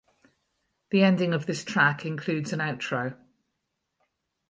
The ending of this track includes an outro.